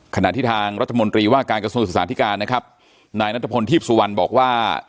ขณะที่ทางรัฐมนตรีว่าการกระทรวงศึกษาธิการนะครับนายนัทพลทีพสุวรรณบอกว่า